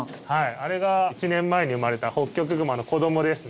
あれが１年前に生まれたホッキョクグマの子供ですね。